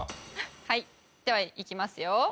はいではいきますよ。